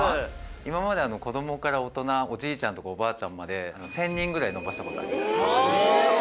「今まで子どもから大人おじいちゃんとかおばあちゃんまで１０００人ぐらい伸ばした事あります」